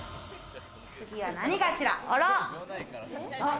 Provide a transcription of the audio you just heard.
次は何かしら？